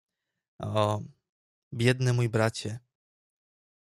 — O, biedny mój bracie!